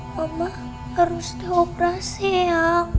mama harus dioperasi yang